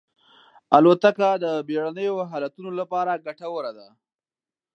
الوتکه د بېړنیو حالتونو لپاره ګټوره ده.